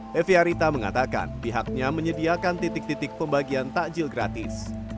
levi arita mengatakan pihaknya menyediakan titik titik pembagian takjil gratis